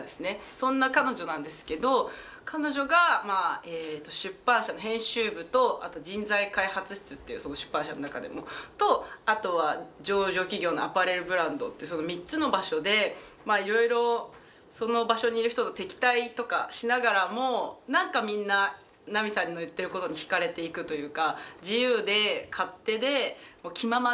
そんな彼女なんですけど彼女が出版社の編集部とあと人材開発室っていうその出版社の中でのとあとは上場企業のアパレルブランドってその３つの場所でいろいろその場所にいる人と敵対とかしながらも何かみんな奈美さんの言っていることに惹かれていくというか。